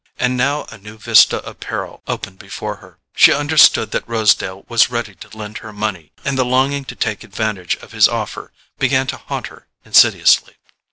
And now a new vista of peril opened before her. She understood that Rosedale was ready to lend her money; and the longing to take advantage of his offer began to haunt her insidiously.